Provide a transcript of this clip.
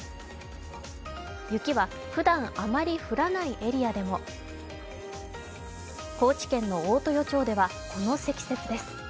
雪はふだんあまり降らないエリアでも、高知県の大豊町ではこの積雪です。